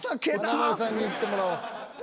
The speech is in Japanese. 華丸さんにいってもらおう。